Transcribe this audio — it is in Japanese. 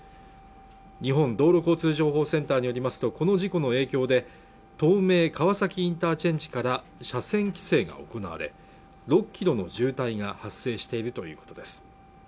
日本道路交通情報センターによりますとこの事故の影響で東名川崎ＩＣから車線規制が行われ６キロの渋滞が発生しているということです